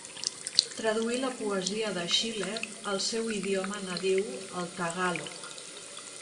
Traduí la poesia de Schiller al seu idioma nadiu el tagàlog.